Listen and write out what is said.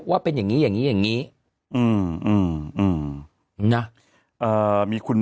ว่าเป็นอย่างงี้อย่างงี้อย่างงี้อืมอืมอืมนะเอ่อมีคุณ